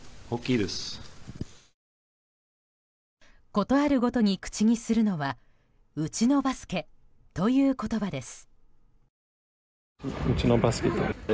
ことあるごとに口にするのはうちのバスケという言葉です。